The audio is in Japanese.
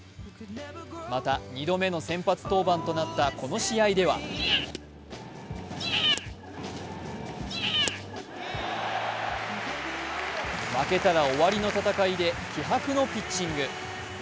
また２度目の先発登板となったこの試合では負けたら終わりの戦いで気迫のピッチング。